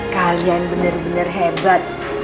kalian bener bener hebat